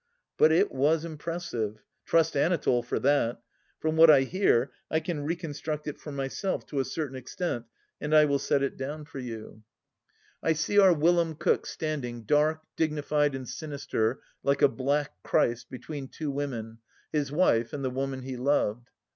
But it was impressive : trust Anatole for that ! From what I hear I can reconstruct it for myself, to a certain extent, and I will set it down for you. 120 THE LAST DITCH I see OUT whilom cook standing, dark, dignified, and sinister, like a black Christ, between two women, his wife and the woman he loved.